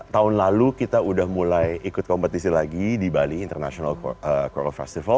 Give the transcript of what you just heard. tahun lalu kita udah mulai ikut kompetisi lagi di bali international core festival